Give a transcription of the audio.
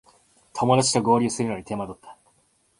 友だちと合流するのに手間取った